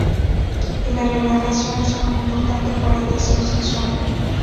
Y la relajación es muy importante para el deseo sexual.